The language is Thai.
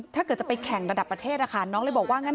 ถ้าเกิดจะไปแข่งระดับประเทศนะคะน้องเลยบอกว่างั้น